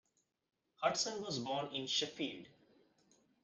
Hudson was born in Sheffield.